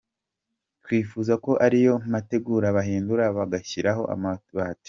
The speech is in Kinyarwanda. Twifuza ko ariya mategura bayahindura bagashyiraho amabati”.